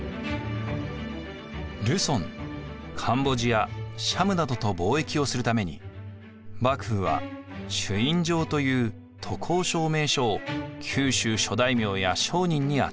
ルソンカンボジアシャムなどと貿易をするために幕府は朱印状という渡航証明書を九州諸大名や商人に与えました。